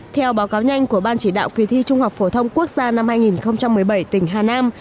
theo báo cáo nhanh của ban chỉ đạo kỳ thi trung học phổ thông quốc gia năm hai nghìn một mươi bảy tỉnh hà nam